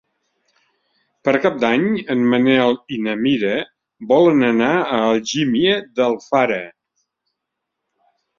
Per Cap d'Any en Manel i na Mira volen anar a Algímia d'Alfara.